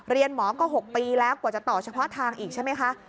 เรียนหมอก็๖ปีแล้วกว่าจะต่อเฉพาะทางอีกใช่ไหมคะ